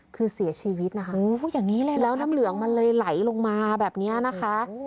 คือเสียชีวิตนะคะแล้วน้ำเหลืองมันเลยไหลลงมาแบบนี้นะคะโอ้โฮอย่างนี้เลยล่ะครับ